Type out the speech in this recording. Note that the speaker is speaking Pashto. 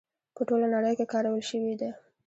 په ټوله نړۍ کې کارول شوې ده.